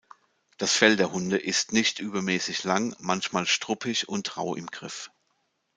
Das Fell der Hunde ist nicht übermäßig lang, manchmal struppig und rau im Griff.